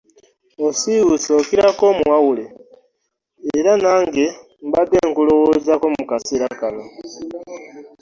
Osiwuuse okiirako omuwawule era nage mbadde nkulowoozaako mukaseera kano.